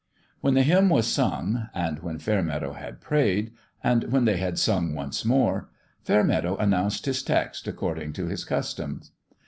When the hymn was sung and when Fair meadow had prayed and when they had sung once more Fairmeadow announced his text, ac cording to his custom.